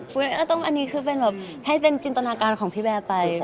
มันต้องขึ้นแบบให้เป็นจินตนาการของพี่แบร์ไป